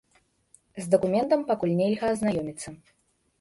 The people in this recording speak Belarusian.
З дакументам пакуль нельга азнаёміцца.